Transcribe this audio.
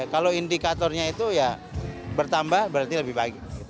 kalau indikatornya itu ya bertambah berarti lebih baik